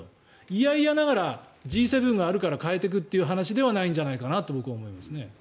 嫌々ながらＧ７があるから変えていくという話ではないんじゃないかなと思いますね。